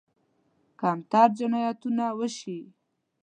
کمتر جنایتونه وشي.